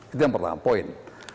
itu yang pertama poin